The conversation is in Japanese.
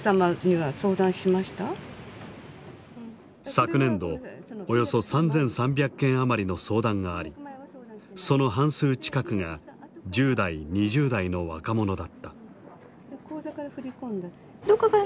昨年度およそ３，３００件余りの相談がありその半数近くが１０代２０代の若者だった。